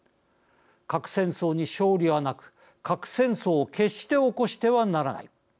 核戦争に勝利はなく核戦争を決して起こしてはならない。